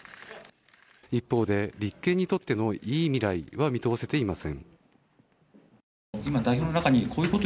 一方で、立憲にとってのいい未来は見通せていません。